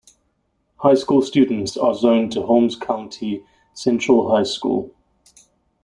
High school students are zoned to Holmes County Central High School.